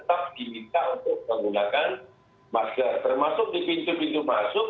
termasuk di pintu pintu masuk